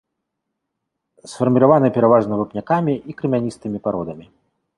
Сфарміраваны пераважна вапнякамі і крамяністымі пародамі.